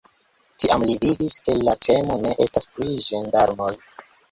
Tiam li vidis, ke la temo ne estas pri ĝendarmoj.